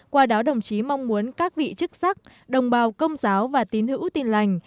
qua đó đồng chí mong muốn các vị chức sắc đồng bào công giáo và tín hữu tin lành